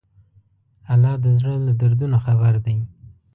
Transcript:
الله د زړه له دردونو خبر دی.